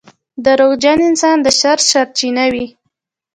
• دروغجن انسان د شر سرچینه وي.